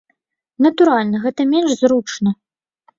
Натуральна, гэта менш зручна.